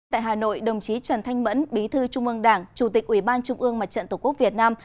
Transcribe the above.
tại hà nội đồng chí trần thanh mẫn bí thư trung ương đảng chủ tịch ủy ban trung ương mặt trận tổ quốc việt nam